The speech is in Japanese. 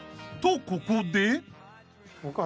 ［とここで］